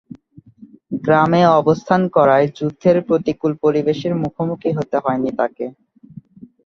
গ্রামে অবস্থান করায় যুদ্ধের প্রতিকূল পরিবেশের মুখোমুখি হতে হয়নি তাকে।